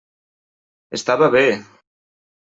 Estava bé!